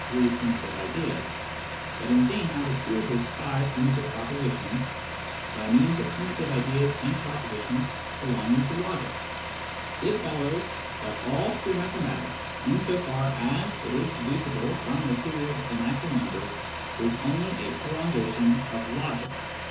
Finitude and Mathematical Induction 25 three primitive ideas, but in seeing how to prove his five primitive propositions, by means of primitive ideas and propositions belong ing to logic. It follows that all pure mathematics, in so far as it is deducible from the theory of the natural numbers, is only a prolongation of logic.